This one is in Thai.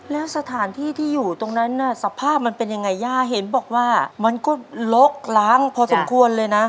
แล้วสถานที่ที่อยู่ตรงนั้นน่ะสภาพมันเป็นยังไงย่าเห็นบอกว่ามันก็ลกล้างพอสมควรเลยนะ